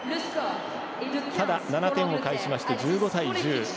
ただ、７点を返しまして１５対１０。